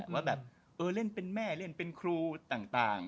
ว่าแบบเล่นเป็นแม่เล่นเป็นครูต่าง